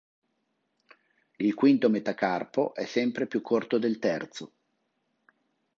Il quinto metacarpo e sempre più corto del terzo.